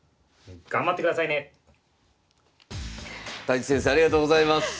太地先生ありがとうございます。